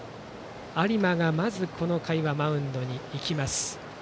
有馬が、まずこの回はマウンドに行きます。